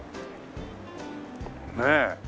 ねえ。